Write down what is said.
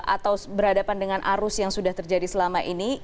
atau berhadapan dengan arus yang sudah terjadi selama ini